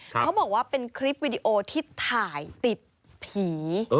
เขาบอกว่าเป็นคลิปวิดีโอที่ถ่ายติดผี